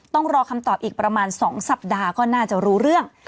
ต้องรอคำตอบอีกประมาณ๒สัปดาห์ก็น่าจะรู้เรื่อง